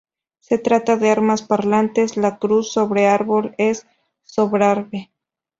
Se trata de armas parlantes, la cruz sobre árbol es Sobrarbe.